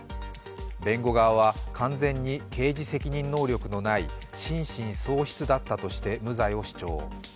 弁護側は、完全に刑事責任能力のない心神喪失だったとして無罪を主張。